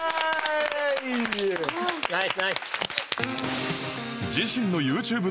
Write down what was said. ナイスナイス。